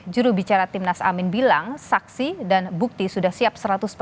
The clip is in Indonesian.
jurubicara timnas amin bilang saksi dan bukti sudah siap